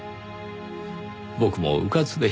僕もうかつでした。